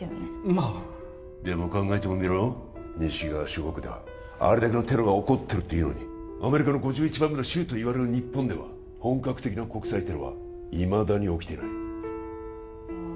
まあでも考えてもみろ西側諸国ではあれだけのテロが起こってるっていうのにアメリカの５１番目の州といわれる日本では本格的な国際テロはいまだに起きていないああ